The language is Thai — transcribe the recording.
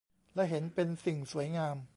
และเห็นเป็นสิ่งสวยงาม